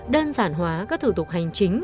đơn giản hóa các thủ tục hành chính